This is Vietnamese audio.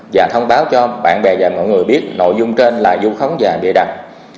và thông báo cho bạn bè và mọi người biết nội dung trên là du khóng và bị đặt